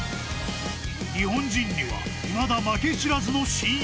［日本人にはいまだ負け知らずの新鋭］